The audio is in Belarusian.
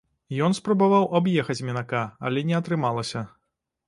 Ён спрабаваў аб'ехаць мінака, але не атрымалася.